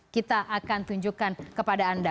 kita akan tunjukkan kepada anda